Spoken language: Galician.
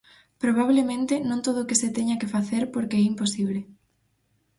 Probablemente non todo o que se teña que facer porque é imposible.